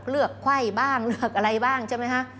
ไขว้บ้างเลือกอะไรบ้างใช่ไหมคะ